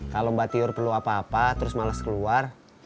kalau mbak tiur perlu apa apa terus males keluar